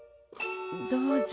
どうぞ。